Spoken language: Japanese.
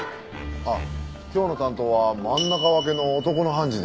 あっ今日の担当は真ん中分けの男の判事でした。